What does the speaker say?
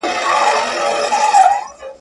په جرګو یې سره خپل کړې مختورن یې دښمنان کې.